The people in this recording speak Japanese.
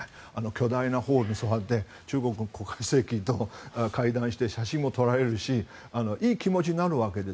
巨大なホールに座って中国の国家主席と会談して写真も撮られるしいい気持ちになるわけです。